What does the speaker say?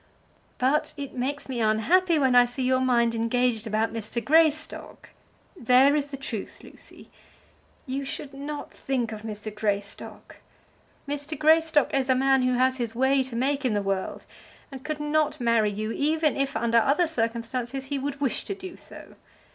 "But it makes me unhappy when I see your mind engaged about Mr. Greystock. There is the truth, Lucy. You should not think of Mr. Greystock. Mr. Greystock is a man who has his way to make in the world, and could not marry you, even if, under other circumstances, he would wish to do so.